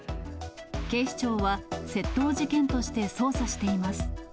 警視庁は、窃盗事件として捜査しています。